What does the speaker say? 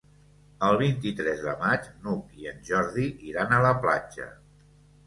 El vint-i-tres de maig n'Hug i en Jordi iran a la platja.